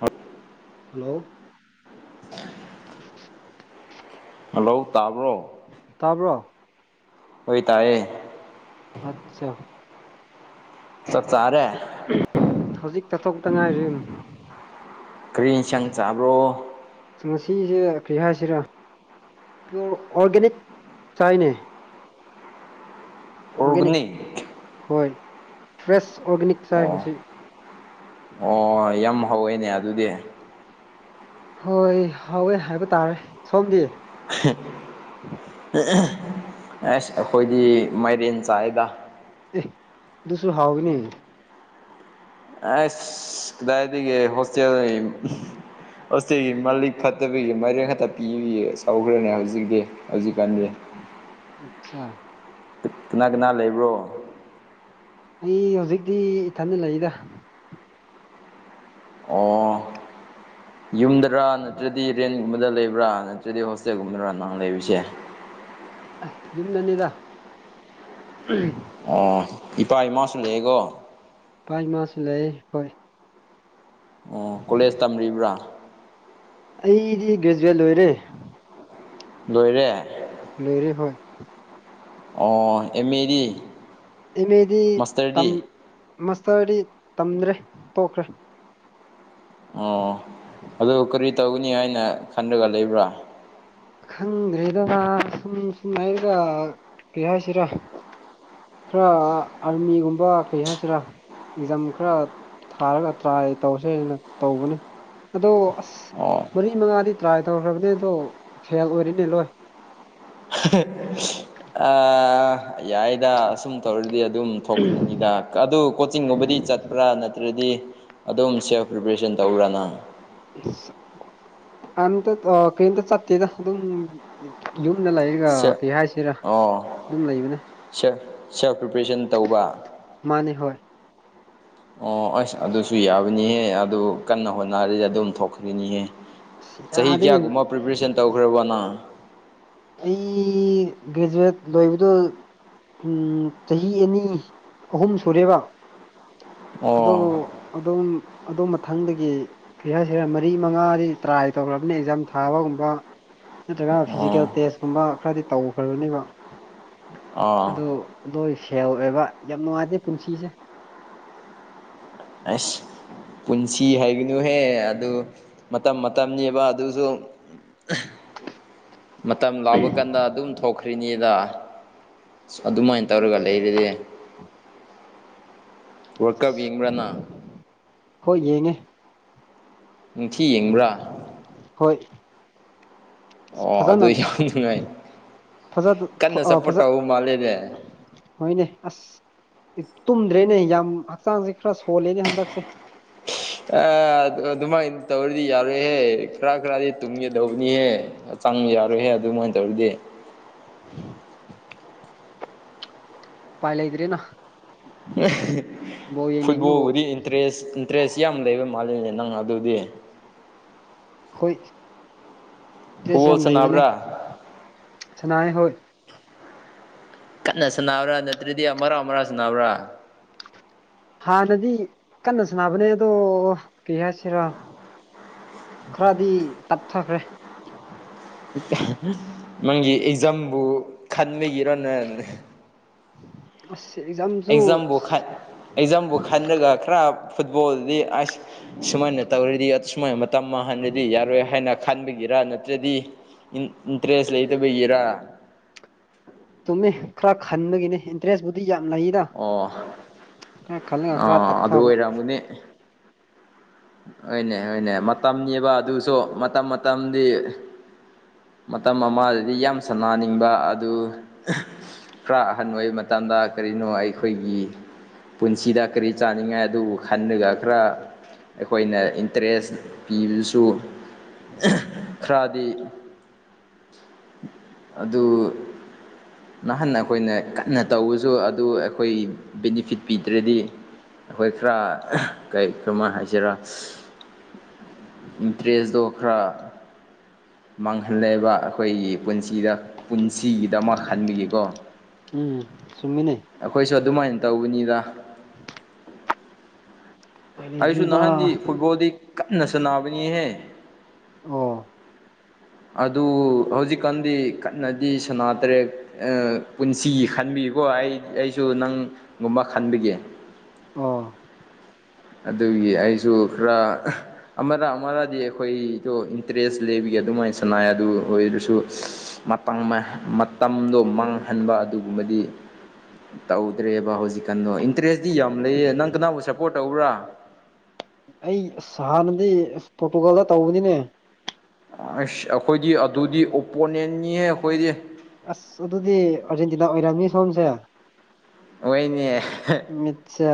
ꯃꯠ ꯍꯜꯂꯣ [unintelligible] ꯍꯜꯂꯧ ꯇꯥꯕ꯭ꯔꯣ ꯇꯥꯕ꯭ꯔꯣ ꯑꯣꯏꯣ ꯇꯥꯌꯦ ꯑꯠꯆꯥ ꯆꯛ ꯆꯔꯦ ꯍꯧꯖꯤꯛ ꯇꯥꯊꯣꯛꯇ ꯉꯥꯏꯔꯤ ꯀꯔꯤ ꯏꯟꯁꯥꯡ ꯆꯥꯕ꯭ꯔꯣ ꯉꯁꯤꯁꯦ ꯀꯔꯤ ꯍꯥꯏꯁꯤꯔ ꯄꯤꯌꯣꯔ ꯑꯣꯔꯒꯦꯅꯤꯛ ꯆꯥꯏꯅꯦ ꯑꯣꯔꯒꯥꯦꯅꯤꯛ ꯑꯣꯔꯒꯥꯅꯤꯛ ꯍꯣꯏ ꯐ꯭ꯔꯦꯁ ꯑꯣꯔꯒꯥꯦꯅꯤꯛ ꯆꯥꯁꯤꯡꯁꯤ ꯍꯣꯏ ꯌꯥꯝ ꯍꯧꯋꯦꯅꯦ ꯑꯗꯨꯗꯤ ꯍꯣꯏ ꯍꯥꯎꯋꯦ ꯍꯥꯏꯕ ꯇꯥꯔꯦ ꯁꯣꯝꯗꯤ ꯑꯁ ꯑꯩꯈꯣꯏꯗꯤ ꯃꯥꯏꯔꯦꯟ ꯆꯥꯏꯗ ꯑꯦ ꯗꯨꯁꯨꯁꯨ ꯍꯥꯎꯋ‌ꯦꯅꯦ ꯑꯁ ꯀꯗꯥꯏꯗꯒꯤ ꯍꯣꯁꯇꯦꯜ ꯂꯩ ꯍꯣꯁꯇꯦꯜ ꯃꯜꯂꯤ ꯐ ꯐꯠꯇꯕꯤꯒꯤ ꯃꯔꯦꯡ ꯈꯛꯇ ꯄꯤ ꯆꯥꯎꯈ꯭ꯔꯅꯦ ꯍꯧꯖꯤꯛꯇꯤ ꯍꯧꯖꯤꯛꯀꯥꯟꯗꯤ ꯑꯆꯥ ꯀꯅꯥ ꯀꯅꯥ ꯂꯩꯕ꯭ꯔꯣ ꯑꯩ ꯍꯧꯖꯤꯛꯇꯤ ꯏꯊꯟꯗ ꯂꯩꯗ ꯑꯣ ꯌꯨꯝꯗꯔꯥ ꯅꯠꯇ꯭ꯔꯗꯤ ꯔꯦꯟꯒꯨꯝꯕꯗ ꯂꯩꯕ꯭ꯔꯥ ꯅꯠꯇ꯭ꯔꯗꯤ ꯍꯣꯁꯇꯦꯜꯒꯨꯝꯕꯗꯔꯥ ꯅꯍꯥꯟ ꯂꯩꯔꯤꯁꯦ ꯑ ꯌꯨꯝꯗꯅꯤꯗ ꯑꯣ ꯏꯄꯥ ꯏꯃꯥꯁꯨ ꯂꯩꯑꯦꯒꯣ ꯄꯆ ꯃꯥꯥꯁ ꯂꯩ ꯍꯣꯏ ꯑꯣ ꯀꯣꯂꯦꯖ ꯇꯝꯔꯤꯕ꯭ꯔꯥ ꯑꯩꯗꯤ ꯒ꯭ꯔꯦꯖꯨꯋꯦꯠ ꯂꯣꯏꯔꯦ ꯂꯣꯏꯔꯦ ꯂꯧꯏꯔ‌ꯦ ꯍꯣꯏ ꯑꯣ ꯑꯦꯝ ꯑ‌ꯦ ꯗꯤ ꯑꯦꯝ ꯑꯦꯗꯤ ꯃꯥꯁꯇꯔꯗꯤ ꯇꯝꯗ꯭ꯔꯦ ꯇꯣꯛꯈ꯭ꯔꯦ ꯑꯣ ꯑꯗꯨ ꯀꯔꯤ ꯇꯧꯒꯅꯤ ꯍꯥꯏꯅ ꯈꯟꯔꯒ ꯂꯩꯕ꯭ꯔꯥ ꯈꯪꯗ꯭ꯔꯦꯗꯅ ꯃꯥ ꯁꯨꯝ ꯁꯨꯝ ꯍꯥꯏꯒ ꯀꯩ ꯍꯥꯏꯁꯤꯔꯥ ꯈꯔ ꯑꯥꯔꯃꯤꯒꯨꯝꯕ ꯀꯩ ꯍꯥꯏꯁꯤꯔꯥ ꯑꯦꯛꯖꯥꯝ ꯈꯔ ꯊꯥꯔꯒ ꯇ꯭ꯔꯥꯏ ꯇꯧꯁꯦꯅ ꯇꯧꯕꯅꯤ ꯑꯗꯣ ꯑꯁ ꯑꯣ ꯃꯔꯤ ꯃꯉꯥꯗꯤ ꯇ꯭ꯔꯥꯏ ꯇꯧꯈ꯭ꯔꯕꯅꯦ ꯑꯗꯣ ꯐꯦꯜ ꯑꯣꯏꯔꯤꯅꯦ ꯂꯣꯏ [unintelligible] ꯌꯥꯏꯗ ꯑꯁꯨꯝ ꯇꯧꯔꯗꯤ ꯑꯗꯨꯝ ꯊꯣꯛꯈ꯭ꯔꯤꯅꯤꯗ ꯑꯗꯨ ꯀꯣꯆꯤꯡꯒꯨꯝꯕꯗꯤ ꯆꯠꯄ꯭ꯔꯥ ꯅꯠꯇ꯭ꯔꯗꯤ ꯑꯗꯨꯝ ꯁꯦꯜꯐ ꯄ꯭ꯔꯤꯄꯦꯔꯦꯁꯟ ꯇꯧꯕ꯭ꯔꯥꯅꯪ ꯑꯝꯇ ꯀꯩꯝꯇ ꯆꯠꯇꯦꯗ ꯑꯗꯨꯝ ꯌꯨꯝꯗ ꯂꯩꯔꯤꯒ ꯀꯩ ꯍꯥꯏꯁꯤꯔꯥ ꯑꯗꯨꯝ ꯂꯩꯕꯅꯦ ꯦꯜ ꯁꯦꯜꯐ ꯄ꯭ꯔꯤꯄꯔꯦꯁꯟ ꯇꯧꯕ ꯃꯥꯅꯦ ꯍꯣꯏ ꯑꯣ ꯑꯁ ꯑꯗꯨꯁꯨ ꯌꯥꯕꯅꯤꯍꯦ ꯑꯗꯨ ꯀꯟꯅ ꯍꯣꯠꯅꯔꯤꯗꯤ ꯑꯗꯨꯝ ꯊꯣꯛꯈ꯭ꯔꯅꯤꯍꯦ ꯆꯍꯤ ꯌꯥꯗꯦꯅꯦ ꯀꯌꯥꯒꯨꯝꯕ ꯄ꯭ꯔꯤꯄꯦꯔꯦꯁꯟ ꯇꯧꯈ꯭ꯔꯕꯅ ꯑꯩ ꯒ꯭ꯔꯦꯖꯨꯋꯦꯠ ꯂꯣꯏꯕꯗꯨꯣ ꯎ ꯆꯍꯤ ꯑꯅꯤ ꯑꯍꯨꯝ ꯁꯨꯔꯦꯕ ꯑꯗꯣ ꯑꯣ ꯑꯗꯨꯝ ꯑꯗꯨ ꯃꯊꯪꯗꯒꯤ ꯐꯁꯔ ꯁꯤꯔ ꯃꯔꯤ ꯃꯉꯥꯗꯤ ꯇ꯭ꯔꯥꯏ ꯇꯧꯔꯕꯅ ꯑꯦꯛꯖꯥꯝ ꯊꯥꯕꯒꯨꯝꯕ ꯅꯠꯇ꯭ꯔꯒꯅ ꯐꯤꯖꯤꯀꯦꯜ ꯑꯣ ꯇꯦꯁꯀꯨꯝꯕ ꯈꯔꯗꯤ ꯇꯧꯈ꯭ꯔꯕꯅꯦꯕ ꯑ ꯑꯗꯨ ꯅꯣꯏ ꯁꯦꯜ ꯑꯣꯏꯕ ꯌꯥꯝ ꯅꯨꯡꯉꯥꯏꯇꯦ ꯄꯨꯟꯁꯤꯁꯦ ꯑꯁ ꯄꯨꯟꯁꯤ ꯍꯥꯏꯒꯅꯨꯍꯦ ꯑꯗꯨ ꯃꯇꯝ ꯃꯇꯝꯅꯦꯕ ꯑꯗꯨꯁꯨ [unintelligible] ꯃꯇꯝ ꯂꯥꯎꯕ ꯀꯥꯟꯗ ꯑꯗꯨꯝ ꯊꯣꯛꯈ꯭ꯔꯤꯅꯤꯗ ꯑ ꯑꯗꯨꯃꯥꯏꯅ ꯇꯧꯔꯒ ꯂꯩꯔꯗꯤ ꯋꯥꯔꯀꯕꯤꯡꯕꯅ ꯍꯣꯏ ꯌꯦꯡꯉꯦ ꯅꯤꯡꯊꯤ ꯌꯦꯡꯕ꯭ꯔꯥ ꯍꯣꯏ ꯑꯁ ꯑꯣ ꯐꯖꯅ ꯑꯗꯨ ꯌꯥꯝ ꯅꯨꯡꯉꯥꯏ ꯐꯖ ꯀꯟꯅ ꯁꯞꯄꯣꯔꯠ ꯐꯖ ꯇꯧ ꯃꯥꯜꯂꯦꯅꯦ ꯍꯣꯏꯅꯦ ꯑꯁ ꯇꯨꯝꯗ꯭ꯔꯦꯅꯦ ꯌꯥꯝ ꯍꯛꯆꯥꯡꯁꯦ ꯈꯔ ꯁꯣꯜꯂꯦꯅꯦ ꯍꯟꯗꯛꯁꯦ ꯑꯗꯨꯃꯥꯏꯅ ꯇꯧꯔꯗꯤ ꯌꯥꯔꯣꯏꯍꯦ ꯈꯔ ꯈꯔꯗꯤ ꯇꯨꯝꯒꯗꯧꯕꯅꯤꯍꯦ ꯆꯪꯕ ꯌꯥꯔꯣꯏꯍꯦ ꯑꯗꯨꯃꯥꯏꯅ ꯇꯧꯔꯤꯗꯤ ꯄꯥꯏ ꯂꯩꯥꯏꯗꯤꯔꯤꯅ ꯌꯦꯡꯅꯤꯡꯕꯕꯨ ꯐꯨꯠꯕꯣꯜꯕꯨꯗꯤ ꯏꯟꯇꯔꯦꯁ ꯗ꯭ꯔꯦꯁ ꯌꯥꯝ ꯂꯩꯕ ꯃꯥꯜꯂꯤꯅꯦ ꯅꯪ ꯑꯗꯨꯗꯤ ꯍꯣꯏ ꯏꯟꯇ꯭ꯔꯦꯁ ꯐꯨꯠꯕꯣꯜ ꯌꯥꯝ ꯂꯩꯕꯅꯦ ꯁꯥꯟꯅꯕ꯭ꯔꯥ ꯁꯅꯥ ꯍꯣꯏ ꯀꯟꯅ ꯁꯥꯟꯅꯕ꯭ꯔꯥ ꯅꯠꯇ꯭ꯔꯗꯤ ꯃꯔꯥ ꯃꯔꯥ ꯁꯅꯕ꯭ꯔꯥ ꯍꯥꯟꯅꯗꯤ ꯀꯟꯅ ꯁꯅꯕꯅꯦ ꯑꯗꯣ ꯀꯩ ꯍꯥꯏꯁꯤꯔꯣ ꯈꯔꯗꯤ ꯇꯞꯊꯈ꯭ꯔꯦ ꯅꯪꯒꯤ ꯑꯦꯛꯖꯥꯝꯕꯨ ꯈꯟꯕꯒꯤꯔꯣꯅꯦ ꯑꯁ ꯑꯦꯖꯝꯁꯨ ꯑꯦꯛꯖꯥꯝꯕꯨ ꯈꯟ ꯑꯦꯛꯖꯥꯝꯕꯨ ꯈꯟꯂꯒ ꯈꯔ ꯐꯨꯠꯕꯣꯜꯗꯤ ꯑꯁ ꯁꯨꯃꯥꯏꯅ ꯇꯧꯔꯤꯗꯤ ꯁꯨꯃꯥꯏꯅ ꯇꯝꯃꯍꯟꯕꯗꯤ ꯌꯥꯔꯣꯏ ꯍꯥꯏꯅ ꯈꯟꯕꯒꯤꯔ ꯅꯠꯇ꯭ꯔꯗꯤ ꯏ ꯏꯟꯇ꯭ꯔꯦꯁ ꯂꯩꯇꯕꯒꯦꯔꯥ ꯇꯨꯝꯃꯦ ꯈꯔ ꯈꯟꯕꯒꯤꯅꯦ ꯏꯟꯇꯔꯦꯁꯕꯨꯗꯤ ꯌꯥꯝ ꯂꯩꯗ ꯑꯣ ꯈ ꯑꯈꯔ ꯇꯞꯊꯕ [unintelligible] ꯇꯃꯅꯦ [unintelligible] ꯍꯣꯏꯅꯦ ꯍꯣꯏꯅꯦ ꯃꯇꯝꯅꯦꯕ ꯑꯗꯨꯁꯨ ꯃꯇꯝ ꯃꯇꯝꯒꯤ ꯃꯇꯝ ꯑꯃꯗꯗꯤ ꯌꯥꯝ ꯁꯅꯅꯤꯡꯕ ꯑꯗꯨ ꯈꯔ ꯑꯍꯟ ꯑꯣꯏ ꯃꯇꯝꯗ ꯀꯔꯤꯅꯣ ꯑꯩꯈꯣꯏꯒꯤ ꯄꯨꯟꯁꯤꯗ ꯀꯔꯤ ꯆꯥꯅꯤꯡꯉꯥꯏ ꯑꯗꯨꯕꯨ ꯈꯟꯂꯒ ꯈꯔ ꯑꯩꯈꯣꯏꯅ ꯏꯟꯇꯔꯦꯁ ꯄꯤꯕꯁꯨ ꯈꯔꯗꯤ ꯑꯗꯨ ꯅꯍꯥꯟ ꯑꯩꯈꯣꯏꯅ ꯀꯟꯅ ꯇꯧꯕꯁꯨ ꯑꯗꯨ ꯑꯩꯈꯣꯏ ꯕꯦꯅꯤꯐꯤꯠ ꯄꯤꯗ꯭ꯔꯗꯤ ꯑꯩꯈꯣꯏ ꯈꯔ ꯀꯔꯤ ꯀꯃ ꯍꯥꯏꯁꯤꯔ ꯏꯟꯇ꯭ꯔꯦꯁꯇꯣ ꯈꯔ ꯃꯥꯡꯍꯜꯂꯦꯕ ꯑꯩꯈꯣꯏꯒꯤ ꯄꯨꯟꯁꯤꯗ ꯄꯨꯟꯁꯤꯒꯤꯗꯃꯛ ꯈꯟꯕꯤꯒꯀꯣ ꯎꯝ ꯁꯃꯃꯤ ꯅ ꯑꯩꯈꯣꯏꯁꯨ ꯑꯗꯨꯃꯥꯏꯅ ꯇꯧꯕꯅꯤꯗ [inaudible] ꯎꯄꯥꯏ ꯑꯩꯁꯨ ꯂꯩꯇ꯭ꯔꯤꯗ ꯅꯍꯥꯟꯗꯤ ꯐꯨꯠꯕꯣꯜꯗꯤ ꯀꯟꯅ ꯁꯥꯟꯅꯕꯅꯤꯍꯦ ꯑꯣ ꯑꯗꯨ ꯍꯧꯖꯤꯛꯀꯥꯟꯗꯤ ꯀꯟꯅꯗꯤ ꯁꯅꯥ ꯇꯔꯦꯠ ꯄꯨꯟꯁꯤ ꯈꯟꯕꯤꯀꯣ ꯑꯩ ꯑꯩꯁꯨ ꯅꯪꯒꯨꯝꯕ ꯈꯟꯕꯤꯒꯦ ꯑꯥ ꯑꯗꯨꯒꯤ ꯑꯩꯁꯨ ꯈꯔ ꯑꯃꯔ ꯑꯃꯔꯗꯤ ꯑꯩꯈꯣꯏꯗꯣ ꯏꯟꯇꯔꯦꯁ ꯂꯩꯕꯒꯤ ꯑꯗꯨꯃꯥꯏꯅ ꯁꯅꯥꯏ ꯑꯗꯨ ꯑꯣꯏꯔꯁꯨ ꯃꯇꯝꯗꯣ ꯃꯥꯡꯍꯟꯕ ꯑꯗꯨꯒꯨꯝꯕꯗꯤ ꯇꯧꯗ꯭ꯔꯦꯕ ꯍꯧꯖꯤꯛꯀꯥꯟꯗꯣ ꯏꯟꯇꯔꯦꯁꯇꯤ ꯌꯥꯝ ꯂꯩꯌꯦ ꯅꯪ ꯀꯅꯥꯕꯨ ꯁꯞꯄꯣꯔꯠ ꯇꯧꯕꯔꯥ ꯑꯩ ꯍꯥꯟꯅꯗꯤ ꯄꯣꯔꯇꯨꯒꯥꯜꯗ ꯇꯧꯕꯅꯤꯅꯦ ꯑꯁ ꯑꯩꯈꯣꯏꯗꯤ ꯑꯗꯨꯗꯤ ꯑꯣꯄꯣꯅꯦꯟꯅꯤ ꯑꯩꯈꯣꯏꯗꯤ ꯑꯁ ꯑꯗꯨꯗꯤ ꯑꯔꯖꯦꯟꯇꯤꯅꯥ ꯑꯣꯏꯔꯝꯃꯤ ꯁꯣꯝꯁꯦ ꯑꯣꯏꯅꯦ ꯃꯤꯠꯁꯦ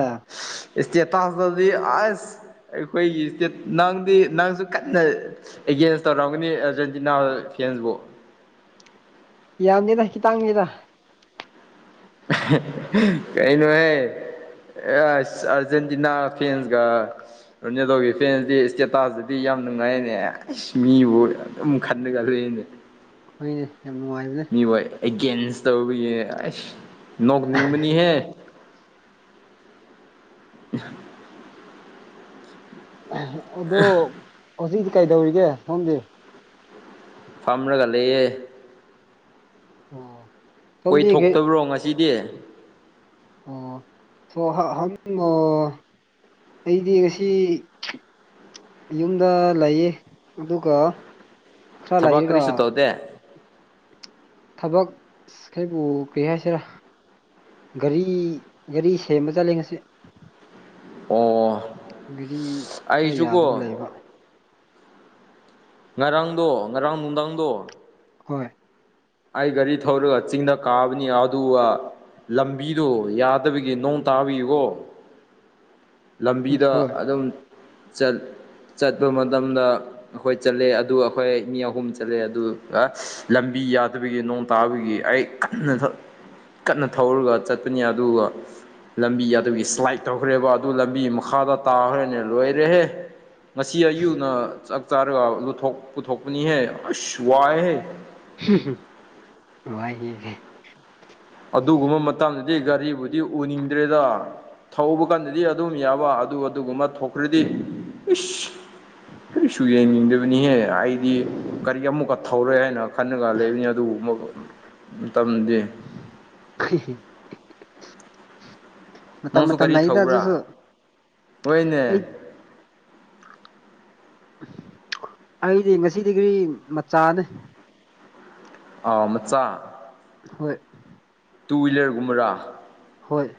ꯏꯁꯇꯦꯇꯥꯁꯇꯗ [unintelligible] ꯑꯩꯈꯣꯏꯒꯤ ꯏꯁꯇꯦꯠ ꯅꯪꯗꯤ ꯅꯪꯁꯨ ꯀꯟꯅ ꯑꯦꯒꯦꯟꯁ ꯇꯧꯔꯝꯒꯅꯤ ꯑꯔꯖꯦꯟꯇꯤꯅꯥ ꯐꯦꯟꯁꯕꯨ ꯌꯥꯝꯅꯤꯔ ꯈꯤꯇꯥꯡꯅꯤꯔ ꯀꯩꯅꯣꯍꯦ ꯑ ꯑꯔꯖꯦꯟꯇꯤꯅꯥ ꯐꯁꯒ [unintelligible] ꯔꯣꯅꯦꯗꯣꯒꯤ ꯐꯦꯟꯁꯤꯗꯤ ꯏꯁꯇꯦꯇꯥꯁꯇꯗꯤ ꯌꯥꯝ ꯅꯨꯡꯉꯥꯏꯅꯦ ꯃꯤꯕꯨ ꯑꯗꯨꯝ ꯈꯟꯂꯒ ꯂꯩꯨꯏꯅꯦ [unintelligible] ꯍꯣꯏꯅꯦ ꯌꯥꯝ ꯅꯨꯡꯉꯥꯏꯕꯅꯦ ꯏ ꯍ ꯑꯦꯒꯦꯟꯁ ꯇꯧꯔꯒꯤ ꯑꯁ ꯅꯣꯛꯅꯤꯡꯕꯅꯤꯍꯦ [inaudible] ꯑꯗꯣ ꯍꯧꯖꯤꯛꯗꯤ ꯀꯩꯗꯧꯔꯤꯒꯦ ꯁꯣꯝꯗꯤ ꯐꯥꯝꯃꯅꯒ ꯂꯩꯌꯦ ꯎ ꯀꯣꯏ ꯊꯣꯛꯣꯛꯇꯕ꯭ꯔꯣ ꯉꯁꯤꯗꯤ ꯑꯣ ꯁꯣ ꯍꯪ ꯑꯩꯗꯤ ꯉꯁꯤ ꯌꯨꯝꯗ ꯂꯩꯌꯦ ꯑꯗꯨꯒ ꯈꯔ ꯊꯕꯛ ꯀꯔꯤꯁꯨ ꯂꯩꯔꯒ ꯇꯧꯗꯦ ꯊꯕꯛꯈꯩ ꯄꯨꯒꯦ ꯍꯥꯏꯁꯤꯔꯥ ꯒꯥꯔꯤ ꯒꯥꯔꯤ ꯁꯦꯝꯕ ꯆꯠꯂꯦ ꯉꯁꯤ ꯑꯣ ꯒꯥꯔꯤ ꯈꯔ ꯌꯥꯗꯕ ꯑꯩꯁꯨꯀꯣ ꯂꯩꯕ ꯉꯔꯥꯡꯗꯣ ꯉꯔꯥꯡ ꯅꯨꯡꯗꯥꯡꯗꯣ ꯍꯣꯏ ꯑꯩ ꯒꯥꯔꯤ ꯊꯧꯔꯒ ꯆꯤꯡꯗ ꯀꯥꯕꯅꯤ ꯑꯗꯨꯒ ꯂꯝꯕꯤꯗꯣ ꯌꯥꯗꯕꯒꯤ ꯅꯣꯡ ꯇꯥꯕꯤꯌꯨꯀꯣ ꯎꯝ ꯂꯝꯕꯤꯗ ꯍꯣꯏ ꯑꯗꯨꯝ ꯆꯠꯄ ꯃꯇꯝꯗ ꯑꯩꯈꯣꯏ ꯆꯠꯂꯦ ꯑꯗꯨ ꯑꯩꯈꯣꯏ ꯃꯤ ꯑꯍꯨꯝ ꯆꯠꯂꯦ ꯑꯗꯨ ꯂꯝꯕꯤ ꯌꯥꯗꯕꯒꯤ ꯅꯣꯡ ꯇꯥꯕꯒꯤ ꯑꯩ ꯀꯥꯟꯅ ꯊ ꯀꯟꯅ ꯊꯧꯔꯒ ꯆꯠꯄꯅꯤ ꯑꯗꯨꯒ ꯂꯝꯕꯤ ꯑꯗꯨꯒꯤ ꯁ꯭ꯂꯥꯏꯠ ꯇꯧꯈ꯭ꯔꯦꯕ ꯑꯗꯨ ꯂꯝꯕꯤ ꯃꯈꯥꯗ ꯇꯥꯈ꯭ꯔꯅꯦ ꯂꯣꯏꯔꯦꯍꯦ ꯉꯁꯤ ꯑꯌꯨꯛꯅ ꯆꯥꯛ ꯆꯥꯔꯒꯊꯣꯛ ꯄꯨꯊꯣꯛꯄꯅꯤꯍꯦ ꯑꯁ ꯋꯥꯏꯍꯦ ꯋꯥꯏ ꯌꯦꯁꯦ ꯑꯗꯨꯒꯨꯝꯕ ꯃꯇꯗꯗꯤ ꯒꯥꯔꯤꯕꯨꯗꯤ ꯎꯅꯤꯡꯗ꯭ꯔꯦꯗ ꯊꯧꯕ ꯀꯥꯟꯗꯗꯤ ꯑꯗꯨꯝ ꯌꯥꯕ ꯑꯗꯨ ꯑꯗꯨꯒꯨꯝꯕ ꯊꯣꯛꯈ꯭ꯔꯗꯤ ꯏꯁꯁ ꯀꯔꯤꯁꯨ ꯌꯦꯡꯅꯤꯡꯗꯕꯅꯤꯍꯦ ꯑꯩꯗꯤ ꯒꯥꯔꯤ ꯑꯃꯨꯛꯀ ꯊꯧꯔꯣꯏꯦ ꯍꯥꯏꯅ ꯈꯟꯅꯒ ꯂꯩꯕꯅꯤ ꯑꯗꯨꯕ ꯃꯇꯝꯗꯤ [inaudible] ꯃꯇꯝ ꯅꯪꯁꯨ ꯃꯇꯝꯅ ꯒꯥꯔꯤ ꯑꯩꯗ ꯑꯗꯨꯁꯨ ꯊꯧꯕ꯭ꯔꯥ ꯍꯣꯏꯅꯦ ꯑꯩ ꯑꯩꯗꯤ ꯉꯁꯤꯗꯤ ꯀꯔꯤ ꯃꯆꯥꯅꯦ ꯑ ꯃꯆꯥ ꯍꯣꯏ ꯇꯨ ꯍꯋꯤꯂꯔꯒꯨꯝꯕꯔꯥ ꯍꯣꯏ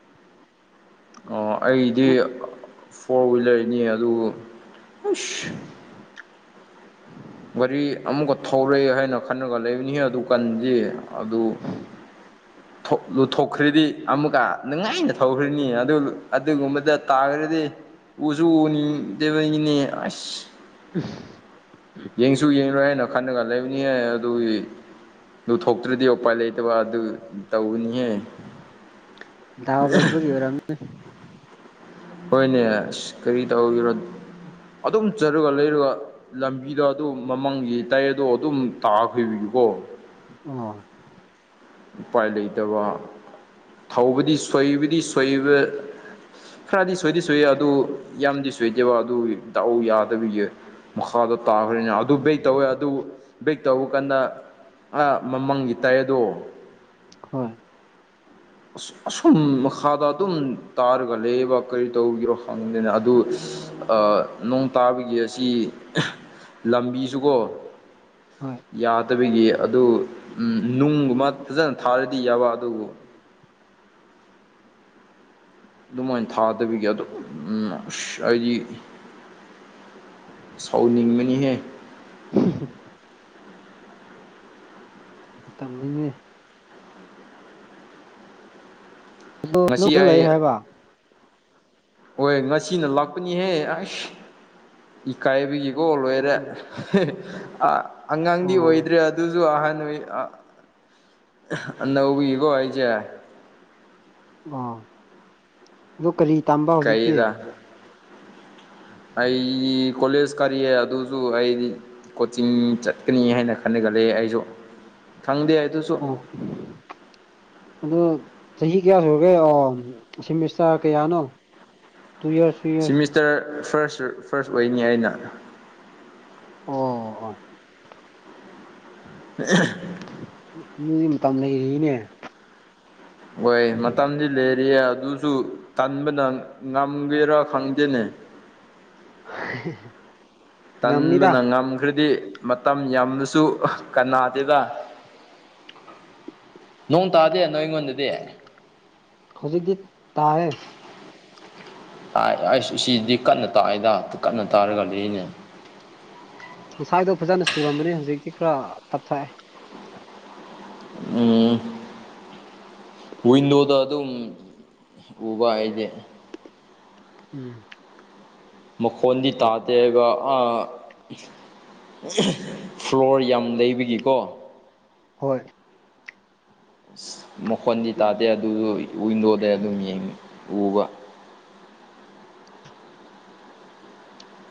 ꯑꯩꯗꯤ ꯇꯨ ꯐꯣꯔ ꯍ꯭ꯋꯤꯂꯔꯅꯤ ꯑꯗꯨ ꯑꯁ ꯒꯥꯔꯤ ꯑꯃꯨꯛꯀ ꯊꯧꯔꯦ ꯍꯥꯏꯅ ꯈꯂꯒ ꯂꯩꯕꯅꯤꯍ ꯑꯗꯨ ꯀꯟꯗꯦ ꯑꯗꯨ [inaudible] ꯂꯨꯊꯣꯛꯈ꯭ꯔꯗꯤ ꯑꯃꯨꯛꯀ ꯅꯨꯡꯉꯥꯏꯅ ꯊꯧꯈ꯭ꯔꯅꯤ ꯑꯗꯨ ꯑꯗꯨꯒꯨꯝꯕꯗ ꯇꯥꯈ꯭ꯔꯗꯤ ꯑꯣꯖꯣꯅꯤ ꯗꯦꯕꯅꯤꯅꯦ ꯑꯁ ꯑꯐ ꯌꯦꯡꯁꯨ ꯌꯦꯡꯂꯡꯣꯏ ꯍꯥꯏꯅ ꯈꯜꯂꯒ ꯂꯩꯕꯅꯤꯌꯦ ꯑꯗꯨꯒꯤ ꯂꯨꯊꯣꯛꯇ꯭ꯔꯗꯤ ꯎꯄꯥꯏ ꯂꯩꯇꯕ ꯑꯗꯨ ꯇꯧꯅꯤꯍꯦ ꯗꯥꯕ ꯂꯥꯏꯕꯒꯤꯕꯔꯝ ꯍꯣꯏꯅꯦ ꯑꯁ ꯀꯔꯤ ꯇꯧꯔꯣ ꯑꯗꯨꯝ ꯆꯠꯂꯨꯒ ꯂꯩꯔꯒ ꯂꯝꯕꯤꯗ ꯑꯗꯨ ꯃꯃꯥꯡꯒꯤ ꯇꯥꯏ ꯑꯗꯣ ꯑꯗꯨꯝ ꯇꯥꯈ꯭ꯕꯤꯒꯤꯀꯣ ꯑ ꯎꯄꯥꯏ ꯂꯩꯇꯕ ꯊꯧꯕꯗꯤ ꯁꯣꯏꯕꯗꯤ ꯁꯣꯏꯕ ꯈꯔꯗꯤ ꯁꯣꯏꯗꯤ ꯁꯣꯏꯌꯦꯦ ꯑꯗꯨ ꯌꯥꯝꯗꯤ ꯁꯣꯏꯗꯦꯕ ꯑꯗꯨ ꯇꯗꯥꯎ ꯌꯥꯗꯕꯤꯒꯤ ꯃꯈꯥꯗꯣ ꯇꯥꯈ꯭ꯔꯅꯤꯅ ꯑꯗꯨ ꯕꯩ ꯇꯧꯋꯦ ꯑꯗꯨ ꯕꯩ ꯇꯧ ꯀꯥꯟꯗ ꯑꯥ ꯃꯃꯥꯡꯒꯤ ꯇꯥꯏꯌꯔ ꯑꯗꯣ ꯍꯣꯏ ꯑꯁꯨꯝ ꯃꯈꯥꯗ ꯑꯗꯨꯝ ꯇꯥꯔꯒ ꯂꯩꯌꯦꯕꯥ ꯀꯔꯤ ꯇꯧꯒꯤꯔꯣ ꯈꯪꯗꯦꯅ ꯑꯗꯨ ꯑꯥ ꯅꯣꯡ ꯇꯥꯕꯒꯤ ꯑꯁꯤ ꯂꯝꯕꯤꯁꯨꯀꯣ ꯍꯣꯏ ꯌꯥꯗꯕꯒꯤ ꯑꯗꯨ ꯅꯨꯡꯒꯨꯝꯕ ꯐꯖꯅ ꯊꯥꯔꯗꯤ ꯌꯥꯕ ꯑꯗꯨꯕꯨ ꯑꯗꯨꯃꯥꯏ ꯊꯥꯗꯕꯤꯒꯤ ꯑꯗꯨꯝ ꯎꯝ ꯑꯁ ꯑꯩꯗꯤ ꯁꯥꯎꯅꯤꯡꯕꯅꯤꯍꯦ [inaudible] ꯇꯝꯅꯤꯡꯉꯦ ꯉꯁꯤ [inaudible] ꯑꯩ ꯂꯩ ꯍꯥꯏꯕ ꯍꯣꯏ ꯉꯁꯤꯅ ꯂꯥꯛꯄꯅꯤꯍꯦ ꯑꯁ ꯏꯀꯥꯏꯕꯒꯤꯀꯣ ꯂꯣꯏꯔꯦ ꯑꯣ ꯑꯥ ꯑꯉꯥꯡꯗꯤ ꯑꯣꯏꯗ꯭ꯔꯦ ꯑꯣ ꯑꯗꯨꯁꯨ ꯑꯍꯥꯟ ꯑꯣꯏ ꯑꯅꯧꯕꯤꯀꯣ ꯑꯩꯁꯦ ꯑꯣ ꯑꯗꯣ ꯀꯔꯤ ꯇꯝꯕ ꯍꯧꯖꯤꯛꯇꯤ ꯀꯩꯔꯥ ꯑꯩꯗꯤ ꯀꯣꯂꯦꯖ ꯀꯔꯤꯑꯦ ꯑꯗꯨꯁꯨ ꯑꯩꯗꯤ ꯀꯣꯆꯤꯡ ꯆꯠꯀꯅꯤ ꯍꯥꯏꯅ ꯈꯟꯅꯒꯜꯂꯦ ꯑꯩꯁꯨ ꯈꯪꯗꯦ ꯑꯗꯨꯁꯨ ꯑꯣ [inaudible] ꯑꯗꯣ ꯆꯍꯤ ꯀꯌꯥ ꯁꯨꯔꯒꯦ ꯑꯣ ꯁꯦꯃꯤꯁꯇ꯭ꯔ ꯀꯌꯥꯅꯣ two years semester first first ꯑꯣꯏꯅꯤ ꯍꯥꯏꯅ ꯑꯣ ꯑꯣ [unintelligible] [unintelligible] ꯃꯇꯝ ꯂꯩꯔꯤꯅꯦ ꯍꯣꯏ ꯃꯇꯝꯗꯤ ꯂꯩꯔꯤꯌꯦ ꯑꯗꯨꯁꯨ ꯇꯟꯕꯅ ꯉꯝꯒꯦꯔꯥ ꯈꯪꯗꯦꯅꯦ [unintelligible] ꯇꯟꯕꯅ ꯉꯝꯅꯤꯗ ꯉꯝꯈ꯭ꯔꯗꯤ ꯃꯇꯝ ꯌꯥꯝꯅꯁꯨ ꯀꯅꯥꯗꯦꯗ ꯅꯣꯡ ꯇꯥꯗꯦ ꯅꯣꯏ ꯉꯣꯟꯗꯗꯤ ꯍꯧꯖꯤꯛꯇꯤ ꯇꯥꯑꯦ ꯑꯩꯁ ꯁꯤꯗꯤ ꯀꯟꯅ ꯇꯥꯛꯏꯗ ꯀꯟꯅ ꯇꯥꯔꯒ ꯂꯤꯔꯤꯅꯦ ꯉꯁꯥꯏꯗꯣ ꯐꯖꯅ ꯆꯨꯔꯝꯕꯅ ꯍꯧꯖꯤꯛꯇꯤ ꯈꯔ ꯇꯞꯊꯥꯑꯦ ꯎꯝ ꯋꯤꯟꯗꯣꯗ ꯑꯗꯨꯝ ꯎꯕꯥ ꯑꯩꯗꯤ ꯎꯝ ꯃꯈꯣꯟꯗꯤ ꯇꯥꯗꯦꯒꯥ ꯑꯥ [unintelligible] ꯐ꯭ꯂꯣꯔ ꯌꯥꯝ ꯂꯩꯕꯒꯤꯀꯣ ꯍꯣꯏ ꯑꯁ ꯃꯈꯣꯟꯗꯤ ꯇꯥꯗꯦ ꯑꯗꯨꯁꯨ ꯋꯤꯟꯗꯣꯗꯩ ꯑꯗꯨꯝ ꯌꯦꯡ ꯎꯕꯥ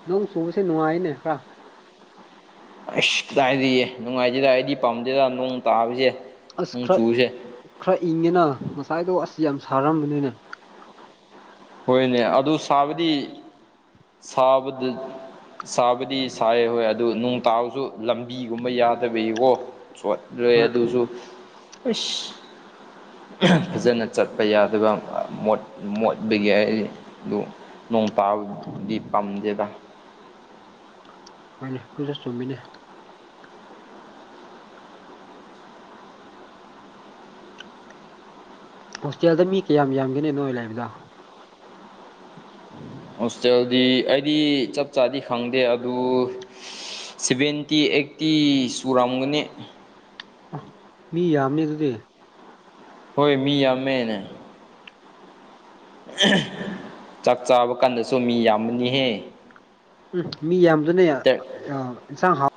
ꯅꯣꯡ ꯆꯨꯕꯁꯦ ꯅꯨꯡꯉꯥꯏꯅꯦ ꯈꯔ ꯑꯁ ꯀꯗꯥꯏꯗꯤꯌꯦ ꯅꯨꯡꯉꯥꯏꯇꯦꯗ ꯑꯩꯗꯤ ꯄꯥꯝꯗꯦꯗ ꯅꯣꯡ ꯇꯥꯕꯁꯦ ꯑꯁ ꯅꯣꯡ ꯈꯔ ꯆꯨꯁꯦ ꯈꯔ ꯏꯪꯉꯦꯅ ꯉꯁꯥꯏꯗꯣ ꯑꯁ ꯌꯥꯝ ꯁꯥꯔꯝꯕꯅꯤꯅꯦ ꯍꯣꯏꯅꯦ ꯑꯗꯨ ꯁꯥꯕꯗꯤ ꯁꯥꯕꯗ ꯁꯥꯕꯗꯤ ꯁꯥꯏꯌꯦ ꯍꯣꯏ ꯑꯗꯨ ꯅꯣꯡ ꯇꯥꯕꯁꯨ ꯂꯝꯕꯤꯒꯨꯝꯕ ꯌꯥꯗꯕꯒꯤꯀꯣ ꯁꯣꯠ ꯔꯦ ꯍꯣꯏ ꯑꯗꯨꯁꯨ ꯏꯁ ꯐꯖꯅ ꯆꯠꯄ ꯌꯥꯗꯕ ꯃꯣꯠ ꯃꯣꯠ ꯑꯗꯨꯒꯤ ꯑꯩ ꯑꯗꯨ ꯅꯣꯡ ꯇꯥꯕꯗꯨꯗꯤ ꯄꯥꯝꯗꯦꯗ ꯍꯣꯏꯅꯦ ꯑꯗꯨꯁꯨ ꯆꯨꯝꯃꯤꯅꯦ ꯍꯣꯁꯇꯦꯜꯗ ꯃꯤ ꯀꯌꯥꯝ ꯌꯥꯝꯒꯦꯅꯦ ꯅꯣꯏ ꯂꯩꯕꯗꯣ [unintelligible] ꯍꯣꯁꯇꯦꯜꯗꯤ ꯑꯩꯗꯤ ꯆꯞ ꯆꯥꯗꯤ ꯈꯪꯗꯦ ꯑꯗꯨ ꯁꯕꯦꯟꯇꯤ ꯑꯩꯠꯇꯤ ꯆꯨꯔꯝꯒꯅꯤ ꯑ ꯃꯤ ꯌꯥꯝꯅꯤ ꯑꯗꯨꯗꯤ ꯍꯣꯏ ꯃꯤ ꯌꯥꯝꯃꯦꯅꯦ ꯆꯥꯛ ꯆꯥꯕ ꯀꯥꯟꯗꯁꯨ ꯃꯤ ꯌꯥꯝ ꯎꯝ ꯃꯤ ꯌꯥꯝꯗꯨꯅ ꯏꯟꯁꯥꯡ ꯍꯥꯎ